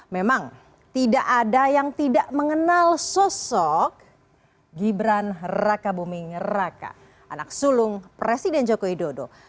memang tidak ada yang tidak mengenal sosok gibran raka buming raka anak sulung presiden joko widodo